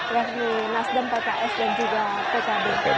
yang di nasdem pks dan juga pkb